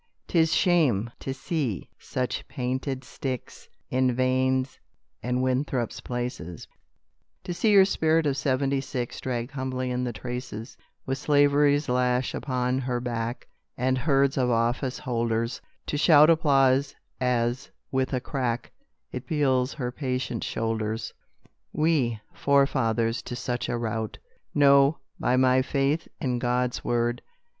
"'Tis shame to see such painted sticks In Vane's and Winthrop's places, To see your spirit of Seventy six Drag humbly in the traces, With slavery's lash upon her back, And herds of office holders To shout applause, as, with a crack, It peels her patient shoulders. "We forefathers to such a rout! No, by my faith in God's word!"